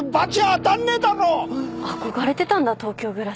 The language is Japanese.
憧れてたんだ東京暮らし。